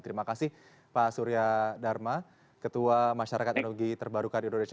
terima kasih pak surya dharma ketua masyarakat energi terbarukan indonesia